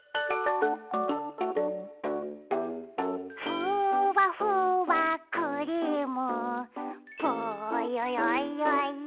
「ふわふわクリームぽよよよよん」